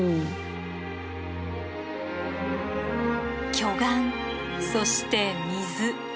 巨岩そして水。